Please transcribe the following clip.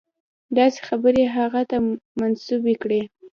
داسې خبرې هغه ته منسوبې کړم.